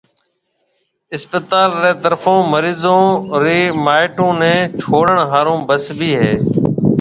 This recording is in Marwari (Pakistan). اسپتال رِي طرفون مريضون رَي مائيٽون نيَ ڇوڙڻ ھارو بس ڀِي ھيََََ